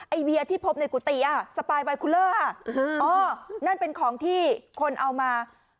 ไอเวียที่พบในกุฏิอ่ะสไปรบายคูลเลอ่ะอ่อนั่นเป็นของที่คนเอามา